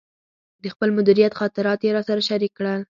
د خپل مدیریت خاطرات یې راسره شریک کړل.